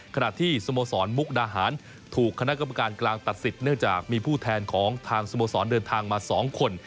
ขณะที่สโมสรมุกดาหารถูกคณะกรรมการกลางตัดสิทธิ์เนื่องจากมีผู้แทนของทางสโมสรเดินทางมา๒คน